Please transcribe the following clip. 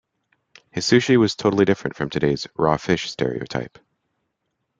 His sushi was totally different from today's "raw fish" stereotype.